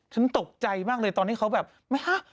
ฉันตกใจมากเลยตอนที่เขาแบบไม่ฮะ